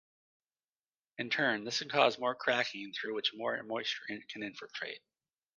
In turn, this can cause more cracking through which more moisture can infiltrate.